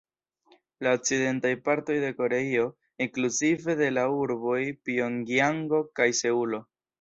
La okcidentaj partoj de Koreio, inkluzive de la urboj Pjongjango kaj Seulo.